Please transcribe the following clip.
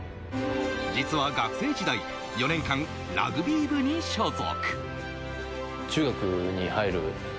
実は学生時代、４年間、ラグビー部に所属。